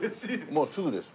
もうすぐです。